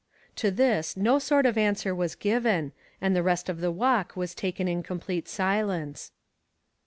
To this no sort of answer was given, and the rest of the walk was taken in complete silence.